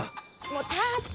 もう立って！